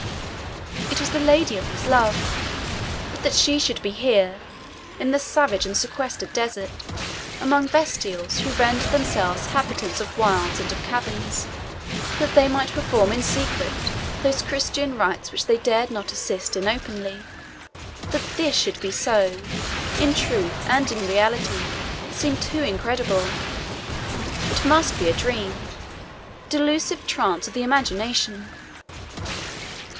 It was the lady of his love! But that she should be here in the savage and sequestered desert among vestals, who rendered themselves habitants of wilds and of caverns, that they might perform in secret those Christian rites which they dared not assist in openly; that this should be so, in truth and in reality, seemed too incredible it must be a dream a delusive trance of the imagination.